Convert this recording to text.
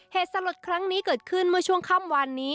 สลดครั้งนี้เกิดขึ้นเมื่อช่วงค่ำวันนี้